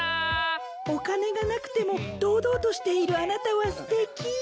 お金がなくても堂々としているあなたはすてき。